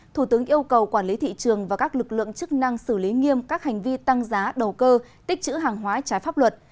thủ tướng yêu cầu quản lý thị trường và các lực lượng chức năng xử lý nghiêm các hành vi tăng giá đầu cơ tích chữ hàng hóa trái pháp luật